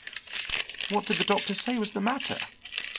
"What did the doctor say was the matter?"